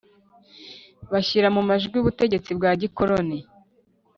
bashyira mu majwi ubutegetsi bwa gikoroni